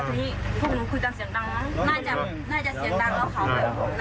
ไม่รู้แต่ตอนที่ปลาเนี่ยมันพี่รู้ไม่เลย